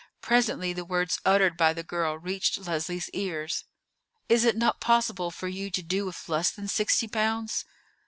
Presently the words uttered by the girl reached Leslie's ears. "Is it not possible for you to do with less than sixty pounds?"